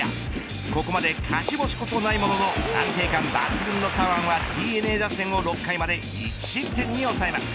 ここまで勝ち星こそないものの安定感抜群の左腕はＤｅＮＡ打線を６回まで１失点に抑えます。